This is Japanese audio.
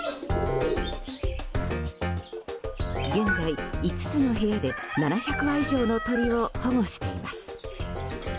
現在、５つの部屋で７００羽以上の鳥を保護しています。